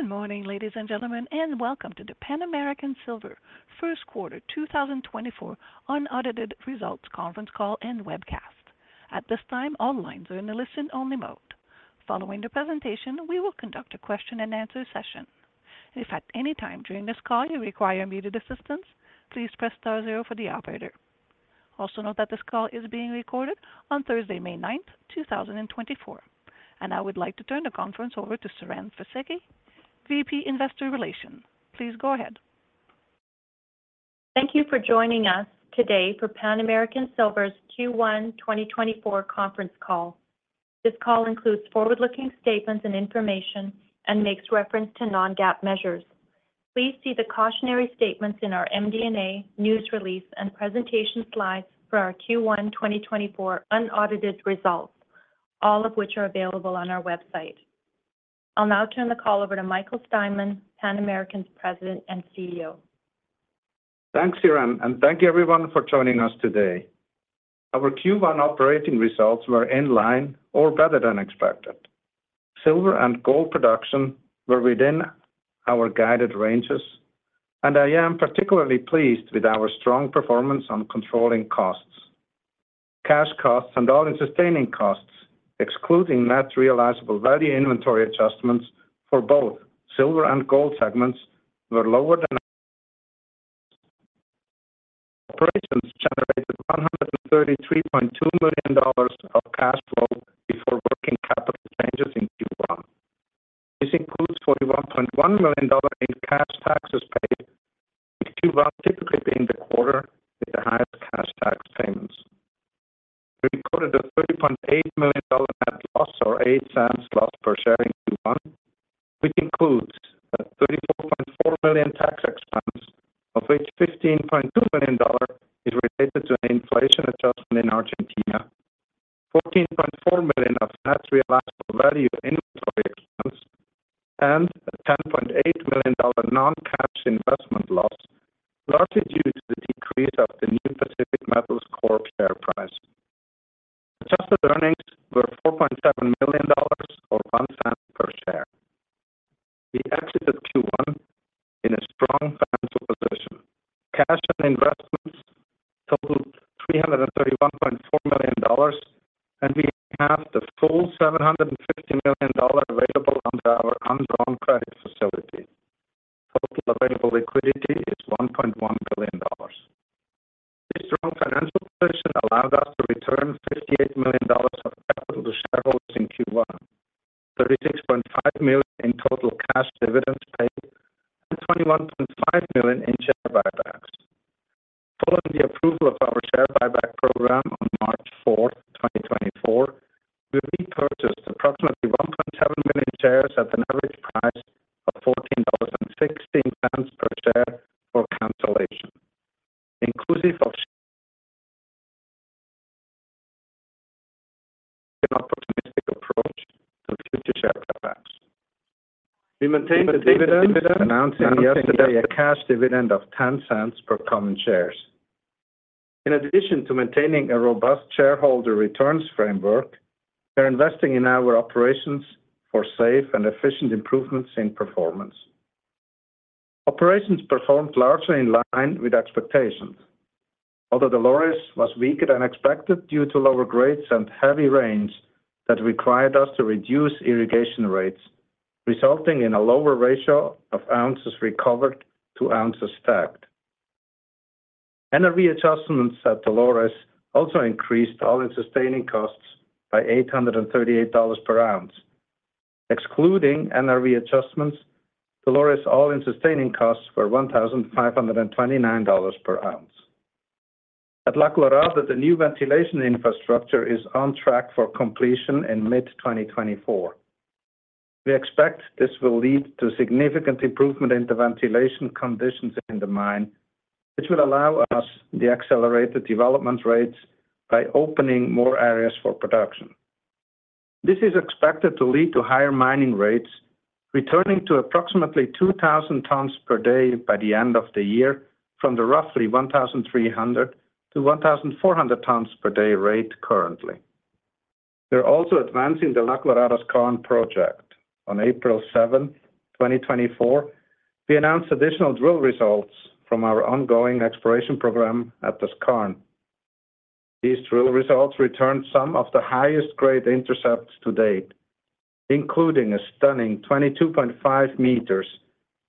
Good morning, ladies and gentlemen, and welcome to the Pan American Silver first quarter 2024 unaudited results conference call and webcast. At this time, all lines are in a listen-only mode. Following the presentation, we will conduct a question-and-answer session. If at any time during this call you require immediate assistance, please press star zero for the operator. Also note that this call is being recorded on Thursday, May 9th, 2024. I would like to turn the conference over to Siren Fisekci, VP, Investor Relations. Please go ahead. Thank you for joining us today for Pan American Silver's Q1 2024 conference call. This call includes forward-looking statements and information and makes reference to non-GAAP measures. Please see the cautionary statements in our MD&A, news release, and presentation slides for our Q1 2024 unaudited results, all of which are available on our website. I'll now turn the call over to Michael Steinmann, Pan American's President and CEO. Thanks, Siren, and thank you everyone for joining us today. Our Q1 operating results were in line or better than expected. Silver and gold production were within our guided ranges, and I am particularly pleased with our strong performance on controlling costs. Cash costs and all-in sustaining costs, excluding net realizable value inventory adjustments for both Silver and Gold segments, were lower than expected. Operations generated $133.2 million of cash flow before working capital changes in Q1. This includes $41.1 million in cash taxes paid, with Q1 typically being the quarter with the highest cash tax payments. We recorded a $30.8 million net loss, or $0.08 loss per in share buybacks. Following the approval of our share buyback program on March 4, 2024, we repurchased approximately 1.7 million shares at an average price of $14.16 per share for cancellation. Inclusive of. An optimistic approach to future share buybacks. We maintained the dividend, announcing yesterday a cash dividend of $0.10 per common shares. In addition to maintaining a robust shareholder returns framework, we're investing in our operations for safe and efficient improvements in performance. Operations performed largely in line with expectations, although Dolores was weaker than expected due to lower grades and heavy rains that required us to reduce irrigation rates, resulting in a lower ratio of ounces recovered to ounces stacked. NRV adjustments at Dolores also increased all-in sustaining costs by $838 per oz. Excluding NRV adjustments, Dolores all-in sustaining costs were $1,529 per oz. At La Colorada, the new ventilation infrastructure is on track for completion in mid-2024. We expect this will lead to significant improvement in the ventilation conditions in the mine, which will allow us the accelerated development rates by opening more areas for production. This is expected to lead to higher mining rates, returning to approximately 2,000 tons per day by the end of the year from the roughly 1,300 tons -1,400 tons per day rate currently. We're also advancing the La Colorada Skarn project. On April 7th, 2024, we announced additional drill results from our ongoing exploration program at the skarn. These drill results returned some of the highest grade intercepts to date, including a stunning 22.5 meters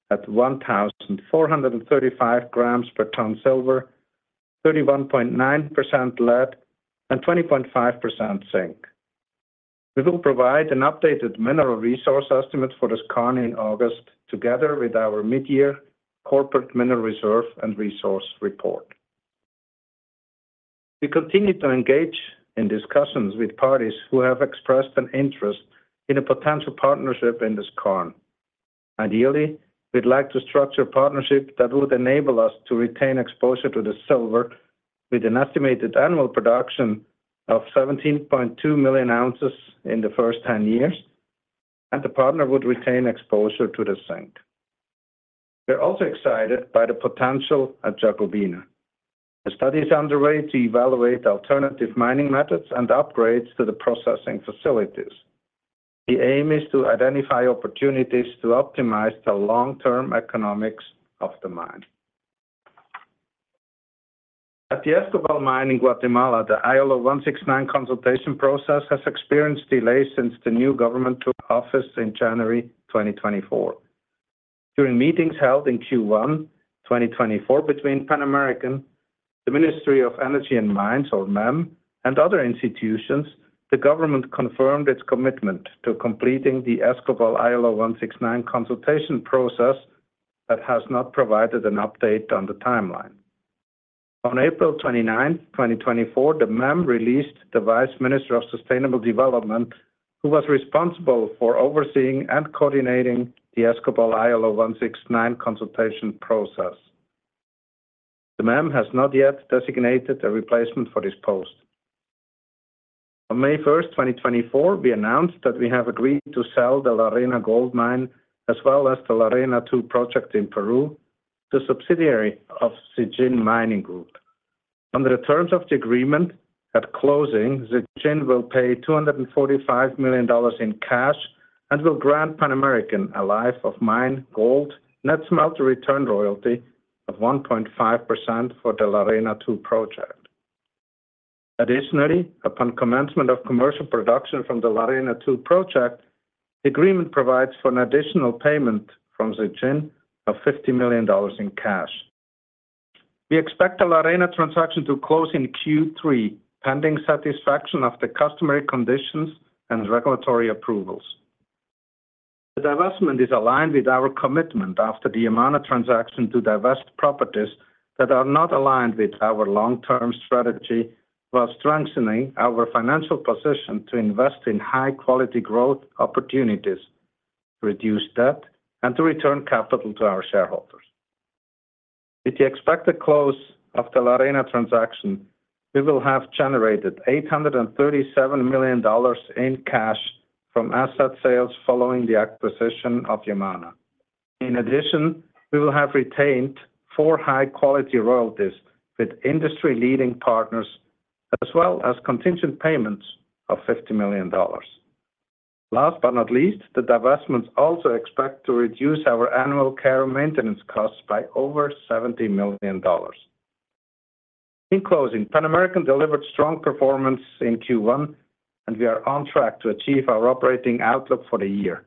at 1,435 grams per ton silver, 31.9% lead, and 20.5% zinc. We will provide an updated mineral resource estimate for the skarn in August, together with our mid-year corporate mineral reserve and resource report. We continue to engage in discussions with parties who have expressed an interest in a potential partnership in the skarn. Ideally, we'd like to structure a partnership that would enable us to retain exposure to the silver with an estimated annual production of 17.2 million oz in the first 10 years, and the partner would retain exposure to the zinc. We're also excited by the potential at Jacobina. The study is underway to evaluate alternative mining methods and upgrades to the processing facilities. The aim is to identify opportunities to optimize the long-term economics of the mine. At the Escobal mine in Guatemala, the ILO 169 consultation process has experienced delays since the new government took office in January 2024. During meetings held in Q1 2024, between Pan American, the Ministry of Energy and Mines, or MEM, and other institutions, the government confirmed its commitment to completing the Escobal ILO 169 consultation process. That has not provided an update on the timeline. On April 29th, 2024, the MEM released the Vice Minister of Sustainable Development, who was responsible for overseeing and coordinating the Escobal ILO 169 consultation process. The MEM has not yet designated a replacement for this post. On May 1st, 2024, we announced that we have agreed to sell the La Arena gold mine, as well as the La Arena II project in Peru, to a subsidiary of Zijin Mining Group. Under the terms of the agreement, at closing, Zijin will pay $245 million in cash and will grant Pan American a life-of-mine gold net smelter return royalty of 1.5% for the La Arena II project. Additionally, upon commencement of commercial production from the La Arena II project, the agreement provides for an additional payment from Zijin of $50 million in cash. We expect the La Arena transaction to close in Q3, pending satisfaction of the customary conditions and regulatory approvals. The divestment is aligned with our commitment after the amount of transaction to divest properties that are not aligned with our long-term strategy, while strengthening our financial position to invest in high-quality growth opportunities, reduce debt, and to return capital to our shareholders. With the expected close of the La Arena transaction, we will have generated $837 million in cash from asset sales following the acquisition of Yamana. In addition, we will have retained four high-quality royalties with industry-leading partners, as well as contingent payments of $50 million. Last but not least, the divestments also expect to reduce our annual care and maintenance costs by over $70 million. In closing, Pan American delivered strong performance in Q1, and we are on track to achieve our operating outlook for the year.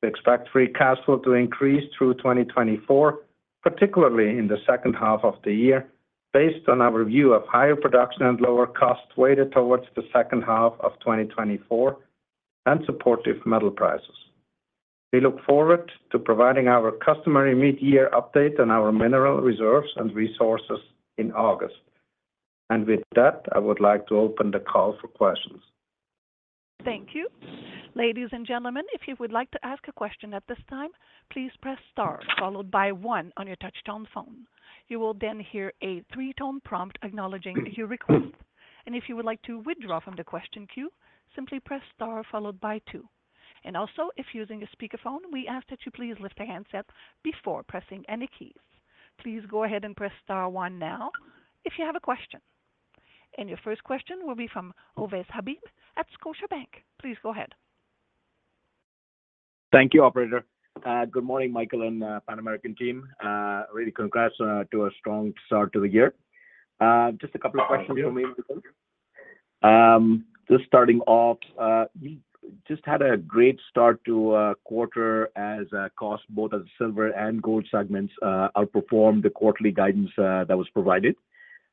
We expect free cash flow to increase through 2024, particularly in the second half of the year, based on our view of higher production and lower costs weighted towards the second half of 2024 and supportive metal prices. We look forward to providing our customary mid-year update on our mineral reserves and resources in August. With that, I would like to open the call for questions. Thank you. Ladies and gentlemen, if you would like to ask a question at this time, please press star followed by one on your touch-tone phone. You will then hear a three-tone prompt acknowledging your request. And if you would like to withdraw from the question queue, simply press star followed by two. And also, if using a speakerphone, we ask that you please lift the handset before pressing any keys. Please go ahead and press star one now if you have a question. And your first question will be from Ovais Habib at Scotiabank. Please go ahead. Thank you, operator. Good morning, Michael and Pan American team. Really congrats to a strong start to the year. Just a couple of questions for me. Just starting off, you just had a great start to the quarter, as costs both in Silver and Gold segments outperformed the quarterly guidance that was provided.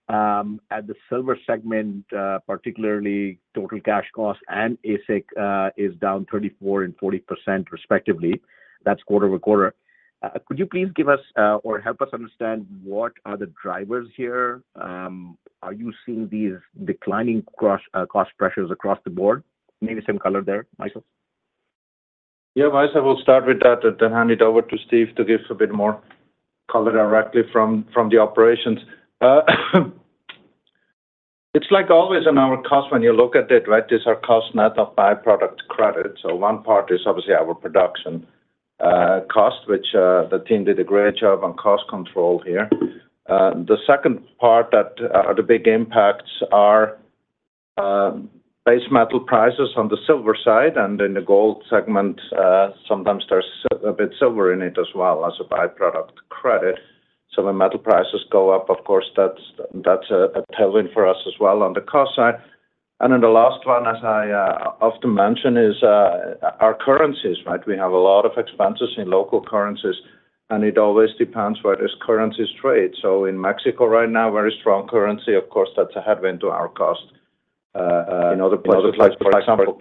At the Silver segment, particularly total cash costs and AISC, is down 34% and 40%, respectively. That's quarter-over-quarter. Could you please give us or help us understand what are the drivers here? Are you seeing these declining cost pressures across the board? Maybe some color there, Michael. Yeah, Ovais, I will start with that and then hand it over to Steve to give a bit more color directly from the operations. It's like always on our cost, when you look at it, right? These are cost net of by-product credit. So one part is obviously our production cost, which the team did a great job on cost control here. The second part that are the big impacts are base metal prices on the Silver side and in the Gold segment, sometimes there's a bit Silver in it as well as a by-product credit. So when metal prices go up, of course, that's a tailwind for us as well on the cost side. And then the last one, as I often mention, is our currencies, right? We have a lot of expenses in local currencies, and it always depends where this currency is traded. So in Mexico right now, very strong currency, of course, that's a headwind to our cost. In other places, like, for example,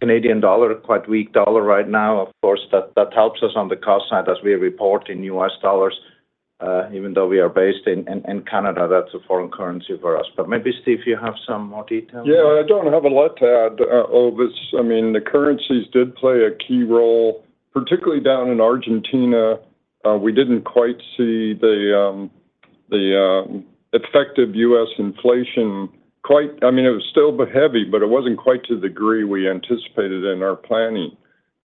Canadian dollar, quite weak dollar right now. Of course, that helps us on the cost side as we report in U.S. dollars. Even though we are based in Canada, that's a foreign currency for us. But maybe, Steve, you have some more details. Yeah, I don't have a lot to add, Ovais. I mean, the currencies did play a key role, particularly down in Argentina. We didn't quite see the effective U.S. inflation quite—I mean, it was still but heavy, but it wasn't quite to the degree we anticipated in our planning.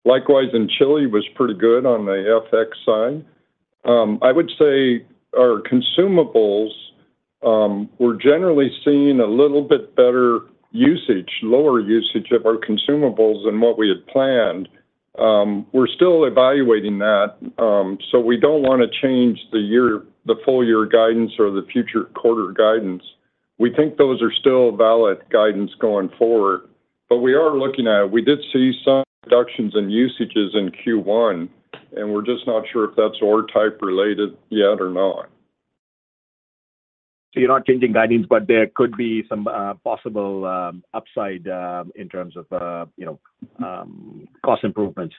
Likewise, in Chile, was pretty good on the FX side. I would say our consumables, we're generally seeing a little bit better usage, lower usage of our consumables than what we had planned. We're still evaluating that, so we don't wanna change the year, the full-year guidance or the future quarter guidance. We think those are still valid guidance going forward, but we are looking at it. We did see some reductions in usages in Q1, and we're just not sure if that's ore type-related yet or not. So you're not changing guidance, but there could be some possible upside in terms of you know cost improvements?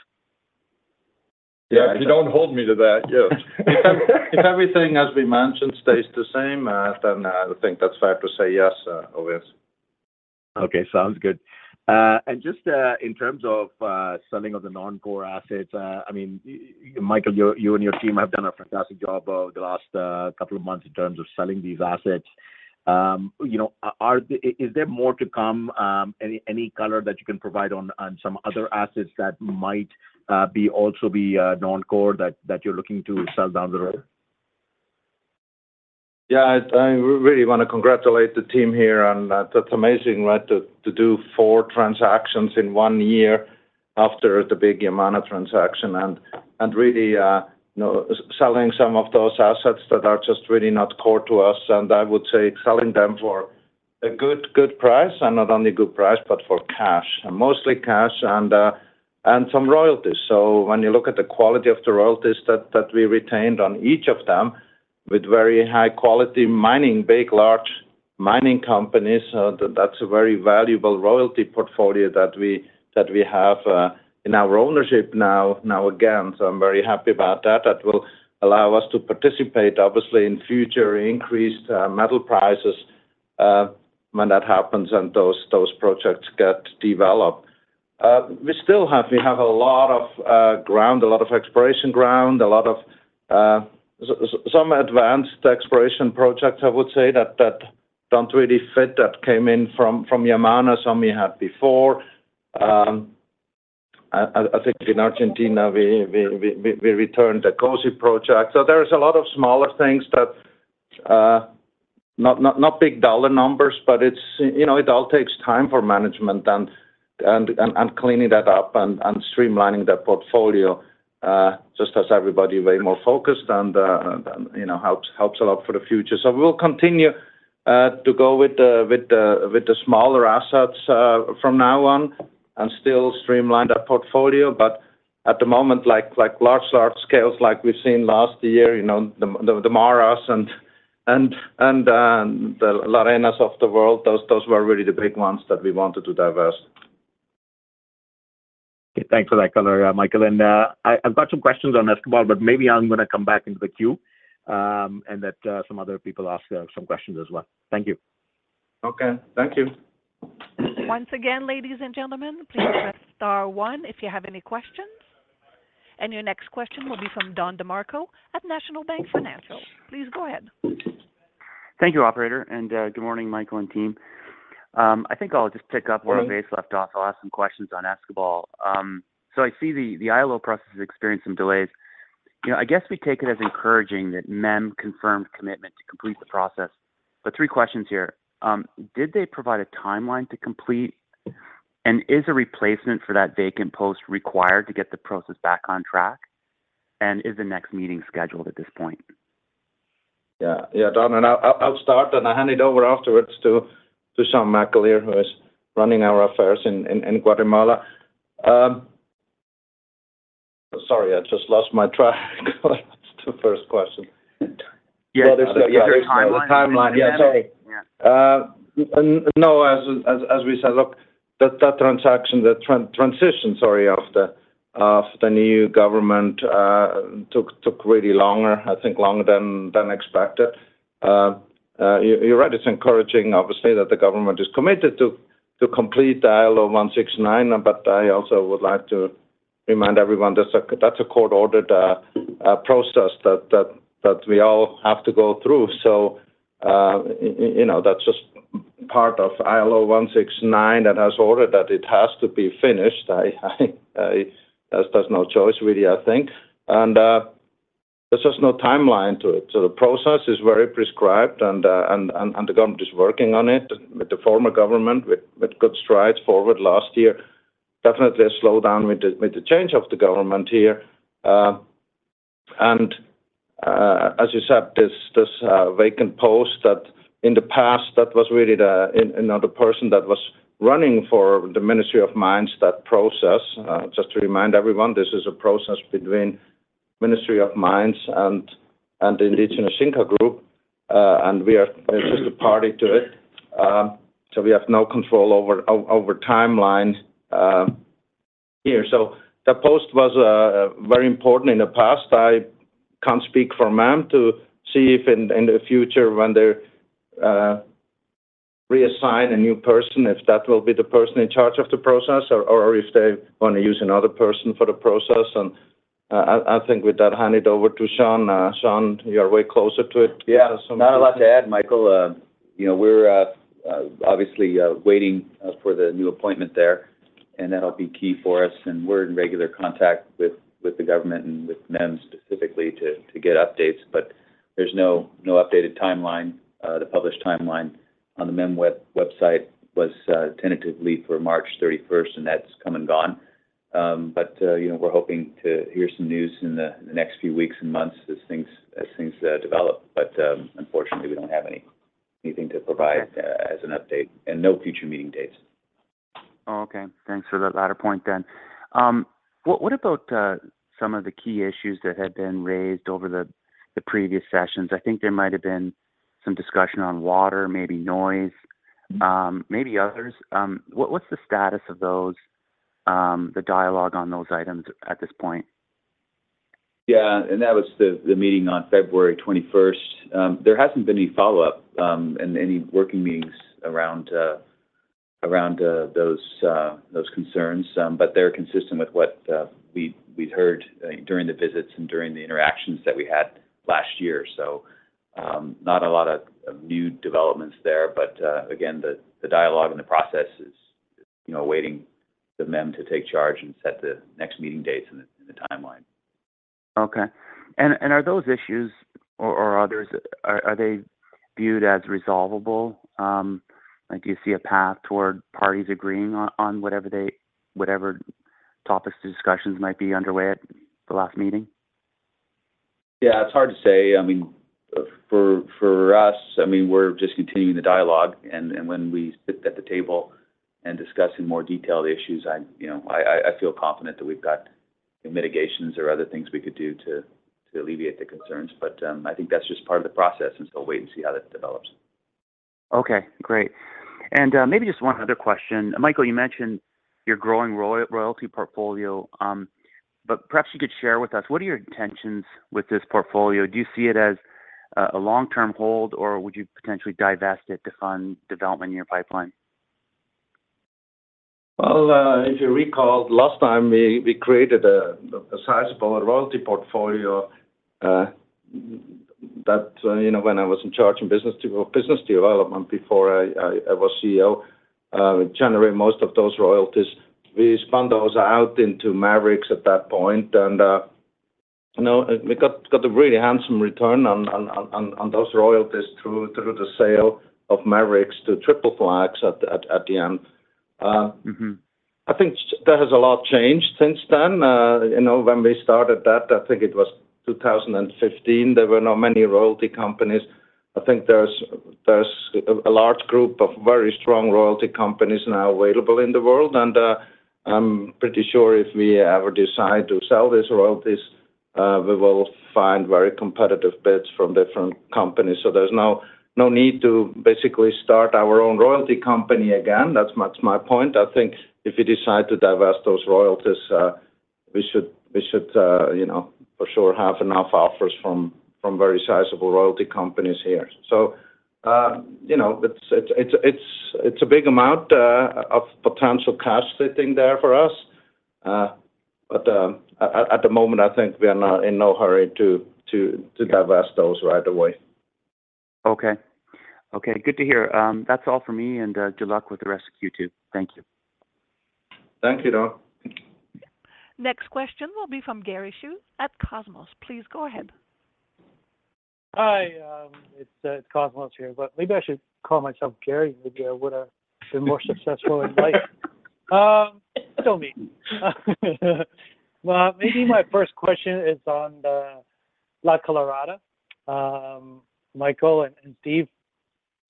Yeah, if you don't hold me to that, yeah. If everything, as we mentioned, stays the same, then I think that's fair to say yes, obvious. Okay, sounds good. And just in terms of selling of the non-core assets, I mean, Michael, you and your team have done a fantastic job over the last couple of months in terms of selling these assets. You know, is there more to come? Any color that you can provide on some other assets that might be also non-core that you're looking to sell down the road? Yeah, I really wanna congratulate the team here, and that's amazing, right, to do four transactions in one year after the big Yamana transaction. And really, you know, selling some of those assets that are just really not core to us, and I would say selling them for a good, good price, and not only good price, but for cash, and mostly cash and some royalties. So when you look at the quality of the royalties that we retained on each of them with very high quality mining, big, large mining companies, that's a very valuable royalty portfolio that we have in our ownership now again. So I'm very happy about that. That will allow us to participate, obviously, in future increased metal prices, when that happens and those projects get developed. We still have a lot of ground, a lot of exploration ground, a lot of some advanced exploration projects, I would say, that don't really fit that came in from Yamana, some we had before. I think in Argentina, we returned the COSE project. So there is a lot of smaller things, but not big dollar numbers, but it's, you know, it all takes time for management and cleaning that up and streamlining that portfolio, just as everybody very more focused and, you know, helps a lot for the future. So we'll continue to go with the smaller assets from now on and still streamline that portfolio. But at the moment, like large scales, like we've seen last year, you know, the MARAs and the La Arenas of the world, those were really the big ones that we wanted to divest. Okay, thanks for that color, Michael. And, I've got some questions on Escobal, but maybe I'm gonna come back into the queue, and let some other people ask some questions as well. Thank you. Okay, thank you. Once again, ladies and gentlemen, please press star one if you have any questions. Your next question will be from Don DeMarco at National Bank Financial. Please go ahead. Thank you, operator, and good morning, Michael and team. I think I'll just pick up where Ovais left off. Morning. I'll ask some questions on Escobal. So I see the ILO process has experienced some delays. You know, I guess we take it as encouraging that MEM confirmed commitment to complete the process. But three questions here: Did they provide a timeline to complete? And is a replacement for that vacant post required to get the process back on track? And is the next meeting scheduled at this point? Yeah. Yeah, Don, and I'll start, and I'll hand it over afterwards to Sean McAleer, who is running our affairs in Guatemala. Sorry, I just lost my track. What's the first question? Yeah, the timeline. The timeline, yeah, sorry. Yeah. No, as we said, look, that transaction, the transition, sorry, of the new government took really longer, I think longer than expected. You're right, it's encouraging, obviously, that the government is committed to complete the ILO 169, but I also would like to remind everyone that's a court-ordered process that we all have to go through. So, you know, that's just part of ILO 169, that has ordered that it has to be finished. I, there's no choice, really, I think. And, there's just no timeline to it. So the process is very prescribed, and the government is working on it with the former government, with good strides forward last year. Definitely a slowdown with the change of the government here. And as you said, this vacant post that in the past, that was really the—another person that was running for the Ministry of Energy and Mines, that process. Just to remind everyone, this is a process between Ministry of Energy and Mines and the indigenous Xinca group, and we are just a party to it. So we have no control over timelines here. So the post was very important in the past. I can't speak for MEM to see if in the future when they're reassign a new person, if that will be the person in charge of the process or if they want to use another person for the process. And I think with that, hand it over to Sean. Sean, you are way closer to it. Yeah. So not a lot to add, Michael. You know, we're obviously waiting for the new appointment there, and that'll be key for us. And we're in regular contact with the government and with MEM specifically to get updates, but there's no updated timeline. The published timeline on the MEM website was tentatively for March 31st, and that's come and gone. But you know, we're hoping to hear some news in the next few weeks and months as things develop. But unfortunately, we don't have anything to provide as an update, and no future meeting dates. Oh, okay. Thanks for that latter point then. What, what about some of the key issues that had been raised over the, the previous sessions? I think there might have been some discussion on water, maybe noise, maybe others. What, what's the status of those, the dialogue on those items at this point? Yeah, and that was the meeting on February 21st. There hasn't been any follow-up, and any working meetings around those concerns. But they're consistent with what we'd heard during the visits and during the interactions that we had last year. So, not a lot of new developments there. But again, the dialogue and the process is, you know, awaiting the MEM to take charge and set the next meeting dates and the timeline. Okay. And are those issues or others, are they viewed as resolvable? Like, do you see a path toward parties agreeing on whatever topics the discussions might be underway at the last meeting? Yeah, it's hard to say. I mean, for us, I mean, we're just continuing the dialogue. And when we sit at the table and discuss in more detail the issues, you know, I feel confident that we've got the mitigations or other things we could do to alleviate the concerns. But I think that's just part of the process, and so we'll wait and see how that develops. Okay, great. And maybe just one other question. Michael, you mentioned your growing royalty portfolio, but perhaps you could share with us what are your intentions with this portfolio? Do you see it as a long-term hold, or would you potentially divest it to fund development in your pipeline? Well, if you recall, last time we created a sizable royalty portfolio that you know when I was in charge in business development before I was CEO. We generated most of those royalties. We spun those out into Maverix at that point, and you know we got a really handsome return on those royalties through the sale of Maverix to Triple Flag at the end. Mm-hmm. I think there has a lot changed since then. You know, when we started that, I think it was 2015, there were not many royalty companies. I think there's a large group of very strong royalty companies now available in the world, and I'm pretty sure if we ever decide to sell these royalties, we will find very competitive bids from different companies. So there's no need to basically start our own royalty company again. That's my point. I think if we decide to divest those royalties, we should you know, for sure have enough offers from very sizable royalty companies here. So you know, it's a big amount of potential cash sitting there for us. But, at the moment, I think we are not in no hurry to divest those right away. Okay. Okay, good to hear. That's all for me, and good luck with the rest of Q2. Thank you. Thank you, Don. Next question will be from Gary Chiu at CIBC World Markets. Please go ahead. Hi, it's Cosmos here, but maybe I should call myself Gary. Maybe I would have been more successful in life. Still me. Maybe my first question is on the La Colorada. Michael and Steve,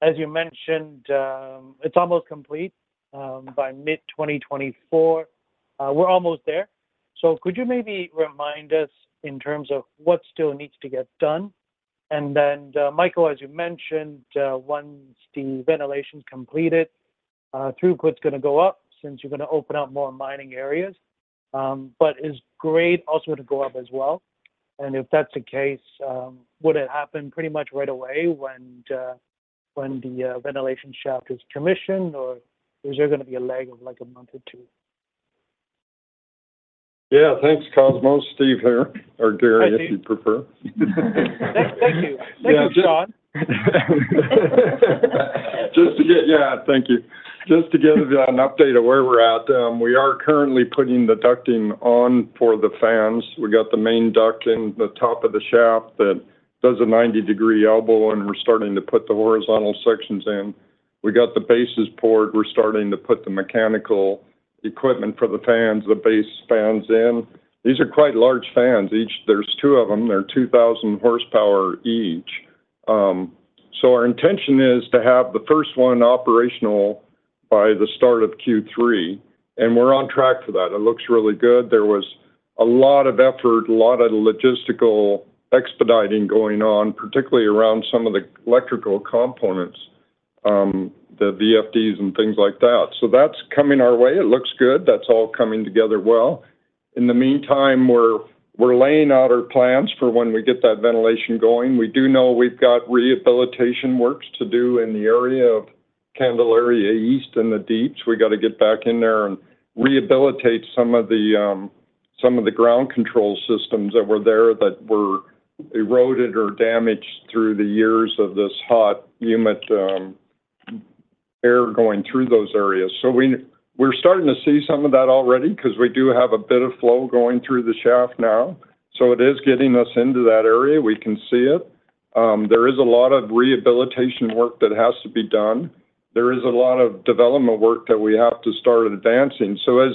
as you mentioned, it's almost complete by mid-2024. We're almost there. So could you maybe remind us in terms of what still needs to get done? And then, Michael, as you mentioned, once the ventilation's completed, throughput's gonna go up since you're gonna open up more mining areas. But is grade also to go up as well? And if that's the case, would it happen pretty much right away when the ventilation shaft is commissioned, or is there gonna be a lag of, like, a month or two? Yeah. Thanks, Cosmos. Steve here, or Gary, if you prefer. Thank you. Thank you, John. Just to give you an update of where we're at, we are currently putting the ducting on for the fans. We've got the main ducting, the top of the shaft that does a 90-degree elbow, and we're starting to put the horizontal sections in. We got the bases poured. We're starting to put the mechanical equipment for the fans, the base fans in. These are quite large fans. Each, there's two of them. They're 2,000 hp each. So our intention is to have the first one operational by the start of Q3, and we're on track for that. It looks really good. There was a lot of effort, a lot of logistical expediting going on, particularly around some of the electrical components, the VFDs and things like that. So that's coming our way. It looks good. That's all coming together well. In the meantime, we're laying out our plans for when we get that ventilation going. We do know we've got rehabilitation works to do in the area of Candelaria East and the Deeps. We got to get back in there and rehabilitate some of the ground control systems that were there that were eroded or damaged through the years of this hot, humid air going through those areas. So we're starting to see some of that already because we do have a bit of flow going through the shaft now. So it is getting us into that area. We can see it. There is a lot of rehabilitation work that has to be done. There is a lot of development work that we have to start advancing. So as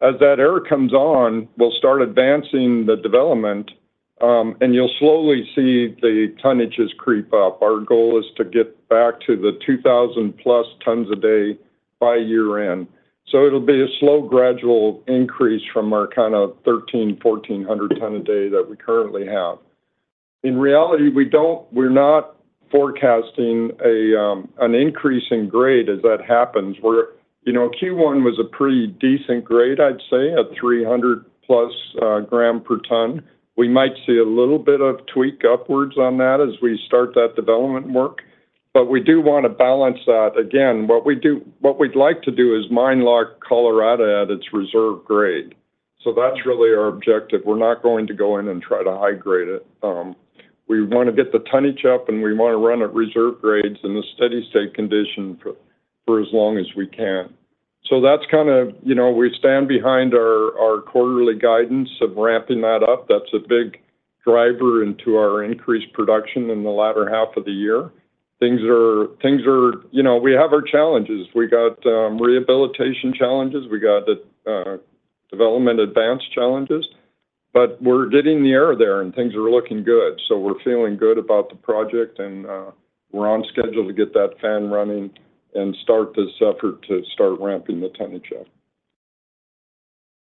that air comes on, we'll start advancing the development, and you'll slowly see the tonnages creep up. Our goal is to get back to the 2,000+ tons a day by year-end. So it'll be a slow, gradual increase from our kind of 1,300 tons-1,400 tons a day that we currently have. In reality, we don't, we're not forecasting an increase in grade as that happens, where, you know, Q1 was a pretty decent grade, I'd say, a 300+ g per ton. We might see a little bit of tweak upwards on that as we start that development work, but we do want to balance that. Again, what we do—what we'd like to do is mine La Colorada at its reserve grade. So that's really our objective. We're not going to go in and try to high-grade it. We want to get the tonnage up, and we want to run at reserve grades in a steady-state condition for, for as long as we can. So that's kind of, you know, we stand behind our, our quarterly guidance of ramping that up. That's a big driver into our increased production in the latter half of the year. Things are, things are, you know, we have our challenges. We got rehabilitation challenges, we got the development advance challenges, but we're getting the air there, and things are looking good. So we're feeling good about the project, and we're on schedule to get that fan running and start this effort to start ramping the tonnage up.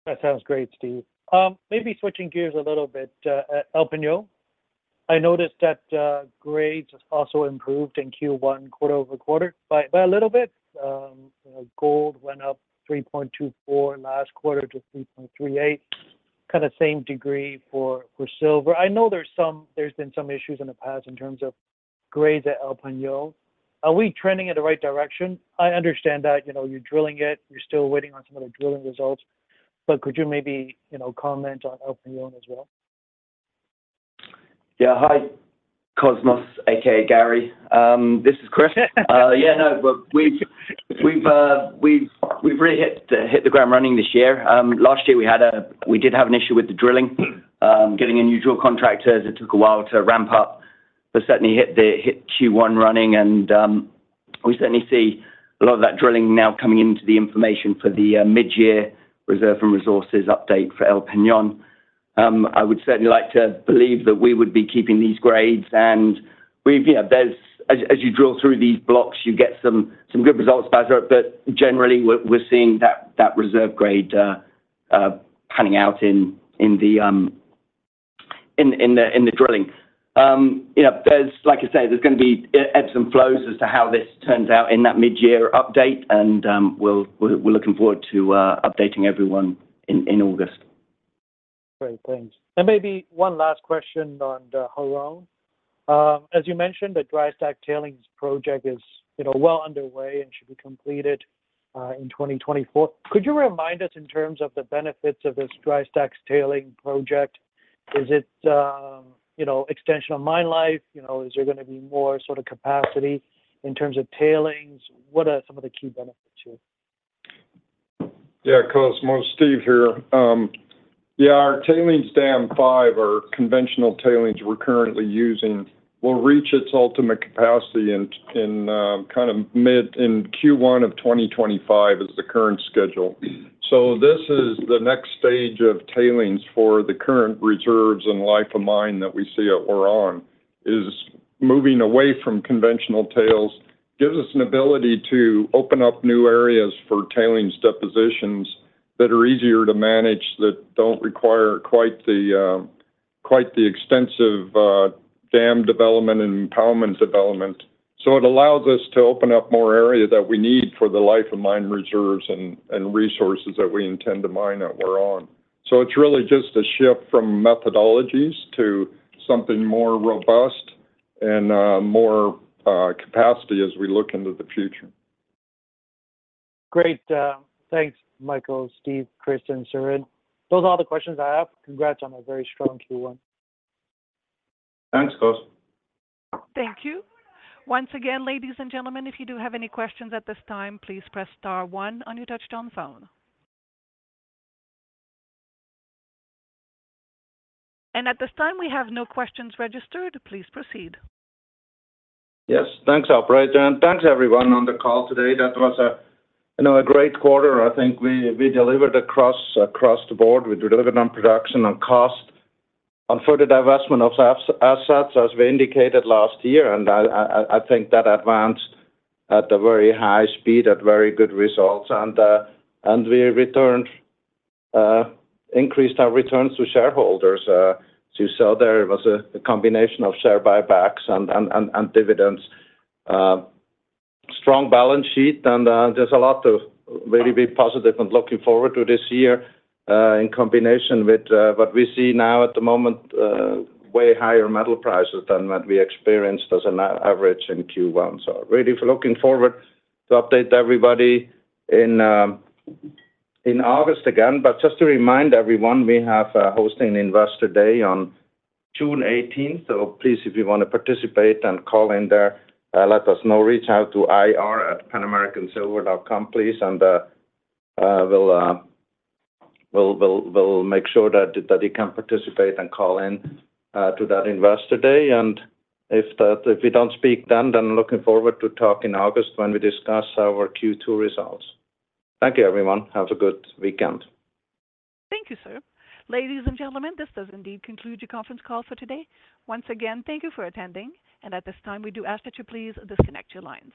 That sounds great, Steve. Maybe switching gears a little bit, at El Peñon, I noticed that, grades also improved in Q1, quarter-over-quarter, by a little bit. Gold went up 3.24 last quarter to 3.38, kind of same degree for silver. I know there's some—there's been some issues in the past in terms of grades at El Peñon. Are we trending in the right direction? I understand that, you know, you're drilling it, you're still waiting on some of the drilling results, but could you maybe, you know, comment on El Peñon as well? Yeah. Hi, Cosmos, AKA Gary. This is Chris. Yeah, no, but we've really hit the ground running this year. Last year, we had—we did have an issue with the drilling, getting a new drill contractor. It took a while to ramp up, but certainly hit Q1 running, and we certainly see a lot of that drilling now coming into the information for the mid-year reserve and resources update for El Peñon. I would certainly like to believe that we would be keeping these grades, and we've, you know, there's—as you drill through these blocks, you get some good results out of it, but generally, we're seeing that reserve grade panning out in the drilling. You know, there's, like I said, there's going to be ebbs and flows as to how this turns out in that mid-year update, and we're looking forward to updating everyone in August. Great, thanks. Maybe one last question on the Huarón. As you mentioned, the dry stack tailings project is, you know, well underway and should be completed in 2024. Could you remind us in terms of the benefits of this dry stack tailings project? Is it, you know, extension of mine life? You know, is there gonna be more sort of capacity in terms of tailings? What are some of the key benefits here? Yeah, Cosmos, Steve here. Yeah, our our conventional tailings we're currently using, will reach its ultimate capacity in, in, kind of mid—in Q1 of 2025 is the current schedule. So this is the next stage of tailings for the current reserves and life-of-mine that we see at Huarón, is moving away from conventional tails, gives us an ability to open up new areas for tailings depositions that are easier to manage, that don't require quite the, quite the extensive, dam development and embankment development. So it allows us to open up more area that we need for the life-of-mine reserves and, and resources that we intend to mine at Huarón. So it's really just a shift from methodologies to something more robust and, more, capacity as we look into the future. Great. Thanks, Michael, Steve, Chris, and Siren. Those are all the questions I have. Congrats on a very strong Q1. Thanks, Cosmos. Thank you. Once again, ladies and gentlemen, if you do have any questions at this time, please press star one on your touch-tone phone. At this time, we have no questions registered. Please proceed. Yes, thanks, operator, and thanks, everyone, on the call today. That was a, you know, a great quarter. I think we delivered across the board. We delivered on production, on cost, on further divestment of non-core assets, as we indicated last year, and I think that advanced at a very high speed with very good results. And we returned, increased our returns to shareholders. As you saw there, it was a combination of share buybacks and dividends. Strong balance sheet, and there's a lot of really big positives and looking forward to this year, in combination with what we see now at the moment, way higher metal prices than what we experienced as an average in Q1. So really looking forward to update everybody in August again. But just to remind everyone, we have hosting Investor Day on June 18th. So please, if you want to participate and call in there, let us know. Reach out to ir@panamericansilver.com, please, and we'll make sure that you can participate and call in to that Investor Day. And if that, if we don't speak then, then looking forward to talk in August when we discuss our Q2 results. Thank you, everyone. Have a good weekend. Thank you, sir. Ladies and gentlemen, this does indeed conclude your conference call for today. Once again, thank you for attending, and at this time, we do ask that you please disconnect your lines.